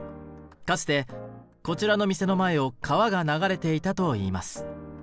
かつてこちらの店の前を川が流れていたといいます。